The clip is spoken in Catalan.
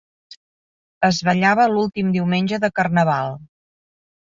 Es ballava l'últim diumenge de Carnaval.